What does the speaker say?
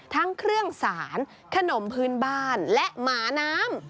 ทั้งเครื่องสารขนมพื้นบ้านและหมาน้ำ